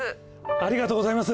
ありがとうございます！